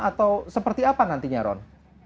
atau seperti apa nantinya ron